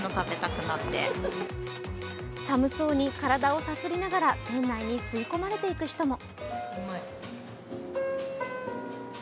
寒そうに体をさすりながら店内に吸い込まれていく人も。